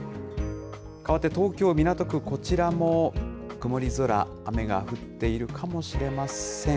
かわって東京・港区、こちらも曇り空、雨が降っているかもしれません。